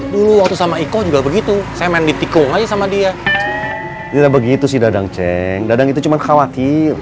dulu waktu sama iko juga begitu saya main di tikung aja sama dia tidak begitu sih dadang ceng dadang itu cuma khawatir